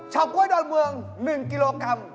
ชาวก๊วยดอลเมือง๑กิโลกรัม